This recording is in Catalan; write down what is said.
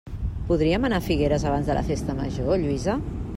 Podríem anar a Figueres abans de la festa major, Lluïsa?